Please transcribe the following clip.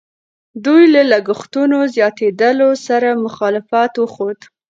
دوی له لګښتونو زیاتېدلو سره مخالفت وښود.